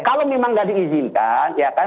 kalau memang nggak diizinkan ya kan